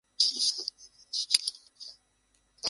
আমি এই সুযোগটার অপেক্ষায় ছিলাম।